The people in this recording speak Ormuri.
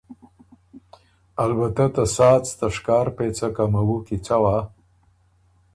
البته ته ساڅ ته شکار پېڅه که موُو کی څوا